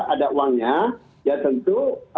ada uangnya ya tentu